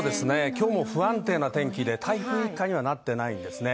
今日も不安定な天気で台風一過にはなっていないですね。